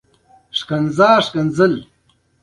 د لاندې لینک په کېکاږلو سره کولای شئ ګروپ ته داخل شئ